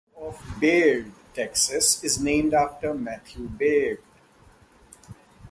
The town of Baird, Texas, is named after Matthew Baird.